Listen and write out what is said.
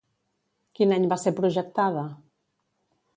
Quin any va ser projectada?